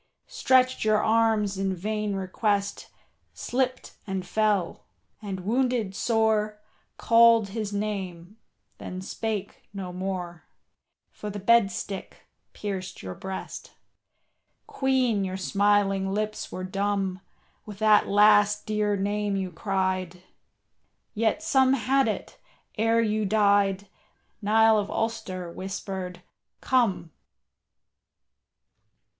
Stretched your arms in vain request, Slipped and fell, and wounded sore Called his name, then spake no more, For the bed stick pierced your breast. Queen, your smiling lips were dumb With that last dear name you cried, Yet some had it, ere you died, Niall of Ulster whispered, "Come."